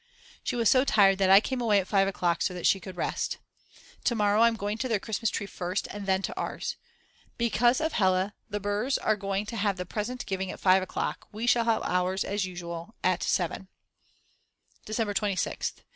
She was so tired that I came away at 5 o'clock so that she could rest. To morrow I'm going to their Christmas tree first and then to ours. Because of Hella the Br's are going to have the present giving at 5 o'clock, we shall have ours as usual at 7. December 26th.